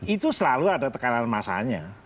itu selalu ada tekanan massanya